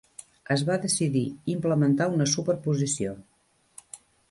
Es va decidir implementar una superposició.